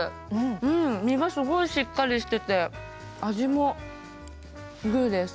うん身がすごいしっかりしてて味もグーです。